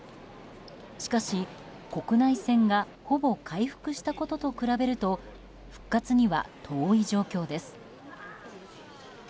しかし、国内線がほぼ回復したことと比べると復活には遠い状況です。